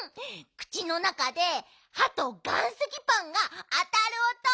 くちのなかではと岩石パンがあたるおと。